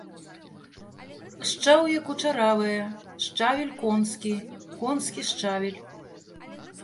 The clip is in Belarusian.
Шчаўе кучаравае, шчавель конскі, конскі шчавель.